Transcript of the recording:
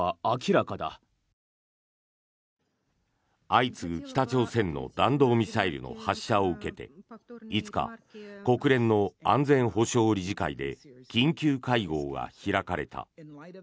相次ぐ北朝鮮の弾道ミサイルの発射を受けて５日、国連の安全保障理事会で緊急会合が開かれた。